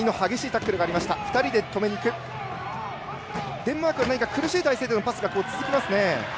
デンマークは苦しい体勢での攻撃が続きますね。